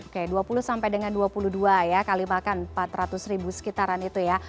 oke dua puluh sampai dengan dua puluh dua ya kali makan empat ratus ribu sekitaran itu ya